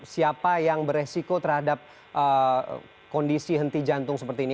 siapa yang beresiko terhadap kondisi henti jantung seperti ini